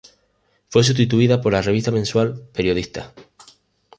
Fue sustituida por la revista mensual "Periodistas".